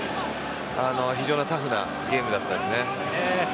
非常にタフなゲームでしたね。